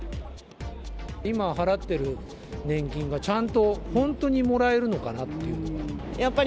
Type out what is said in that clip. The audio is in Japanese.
今払ってる年金がちゃんと本当にもらえるのかなっていうのが。